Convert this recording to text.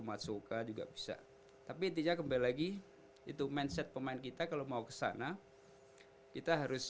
yang suka juga bisa tapi tidak kembali lagi itu mindset pemain kita kalau mau ke sana kita harus